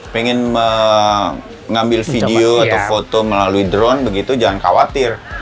pengen mengambil video atau foto melalui drone begitu jangan khawatir